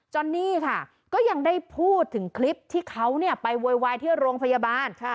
อนนี่ค่ะก็ยังได้พูดถึงคลิปที่เขาไปโวยวายที่โรงพยาบาล